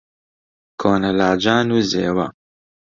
کۆنە لاجان و زێوە